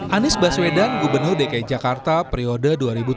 anies baswedan gubernur dki jakarta periode dua ribu tujuh belas dua ribu